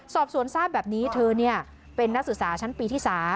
สอบสวนทราบแบบนี้เธอเป็นนักศึกษาชั้นปีที่๓